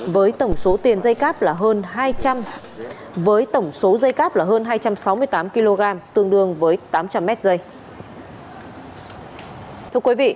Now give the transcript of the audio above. với tổng số tiền dây cáp là hơn hai trăm sáu mươi tám kg tương đương với tám trăm linh mét dây